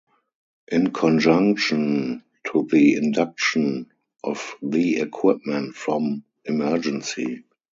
In conjunction to the induction of the equipment from Emergency!